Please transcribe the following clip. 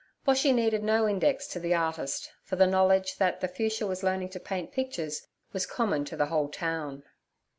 Boshy needed no index to the artist, for the knowledge that The Fuchsia was learning to paint pictures was common to the whole town.